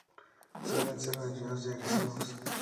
Suelen ser nerviosos y agresivos.